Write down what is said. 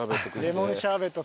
レモンシャーベット